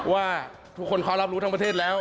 ว่าทุกคนเขารับรู้ทั้งประเทศแล้ว